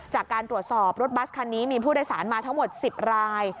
จากการตรวจสอบรถบัสคันนี้มีผู้โดยสารมาทั้งหมด๑๐ราย